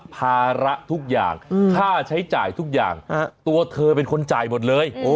ภาระทุกอย่างค่าใช้จ่ายทุกอย่างตัวเธอเป็นคนจ่ายหมดเลย